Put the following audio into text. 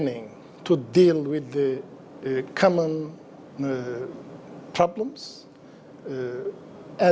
menghadapi masalah yang berbeda